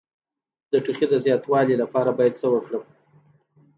د ټوخي د زیاتوالي لپاره باید څه وکړم؟